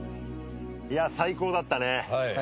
いや最高だったね。